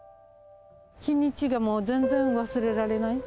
日にちが全然忘れられない。